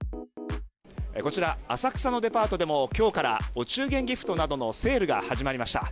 こちら浅草のデパートでも今日からお中元ギフトなどのセールが始まりました。